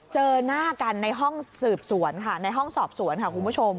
เจอหน้ากันในห้องสอบสวนค่ะคุณผู้ชม